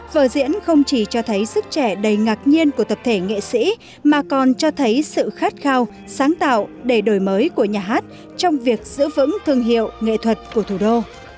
vở diễn không chỉ cho thấy sức trẻ đầy ngạc nhiên của tập thể nghệ sĩ mà còn cho thấy sự khát khao sáng tạo để đổi mới của nhà hát trong việc giữ vững thương hiệu nghệ thuật của thủ đô